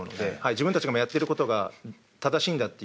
自分たちがやってることが正しいんだっていう。